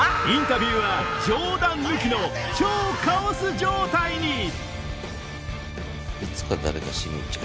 インタビューは冗談抜きの超カオス状態に！